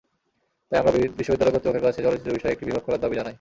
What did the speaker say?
তাই আমরা বিশ্ববিদ্যালয় কর্তৃপক্ষের কাছে চলচ্চিত্র বিষয়ে একটি বিভাগ খোলার দাবি জানাই।